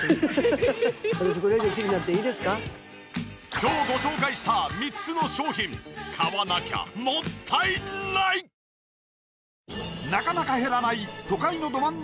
今日ご紹介した３つの商品買わなきゃもったいない！届け。